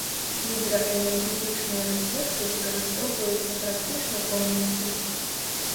Гідраэнергетычныя рэсурсы выкарыстоўваюцца практычна поўнасцю.